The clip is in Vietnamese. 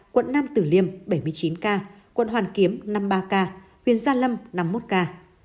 quận nam tử liêm bảy mươi chín ca quận hoàn kiếm năm mươi ba ca huyện gia lâm năm mươi một ca